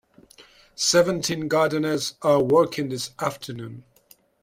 Seventeen gardeners are working this afternoon.